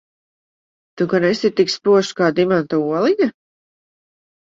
Tu gan esi tik spožs kā dimanta oliņa?